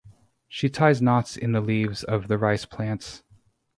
She ties knots in the leaves of the rice plants.